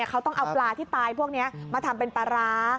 เขาต้องเอาปลาที่ตายพวกนี้มาทำเป็นปลาร้า